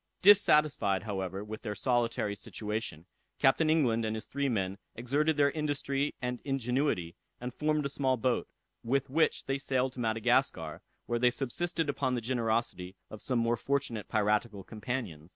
Dissatisfied, however, with their solitary situation, Captain England and his three men exerted their industry and ingenuity, and formed a small boat, with which they sailed to Madagascar, where they subsisted upon the generosity of some more fortunate piratical companions.